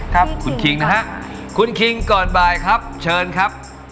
ครับคุณคิงนะฮะคุณคิงก่อนบ่ายครับเชิญครับ